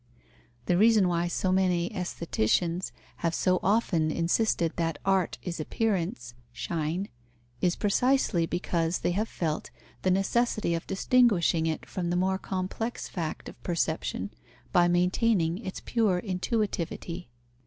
The reason why so many aestheticians have so often insisted that art is appearance (Schein), is precisely because they have felt the necessity of distinguishing it from the more complex fact of perception by maintaining its pure intuitivity.